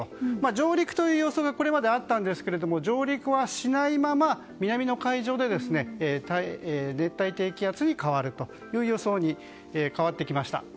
上陸という予想がこれまであったんですが上陸はしないまま、南の海上で熱帯低気圧に変わる予想に変わってきました。